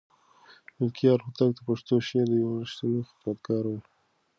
ملکیار هوتک د پښتو شعر یو رښتینی خدمتګار و.